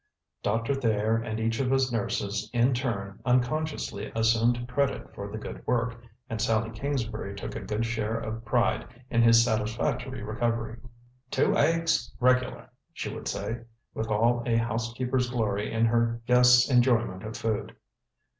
Doctor Thayer and each of his nurses in turn unconsciously assumed credit for the good work, and Sallie Kingsbury took a good share of pride in his satisfactory recovery. "Two aigs regular," she would say, with all a housekeeper's glory in her guests' enjoyment of food.